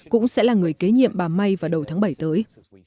cũng sẽ là người kế nhiệm bà may vào đầu tháng bảy tới